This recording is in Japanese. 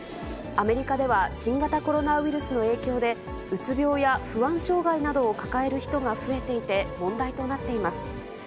アメリカでは新型コロナウイルスの影響で、うつ病や不安障がいなどを抱える人が増えていて、問題となっています。